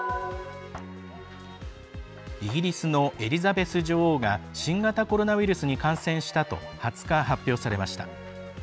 イギリスのエリザベス女王が新型コロナウイルスに感染したと２０日、発表されました。